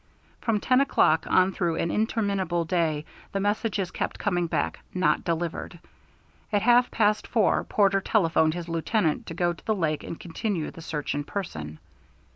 From ten o'clock on through an interminable day the messages kept coming back, 'not delivered.' At half past four Porter telephoned his lieutenant to go to the lake and continue the search in person.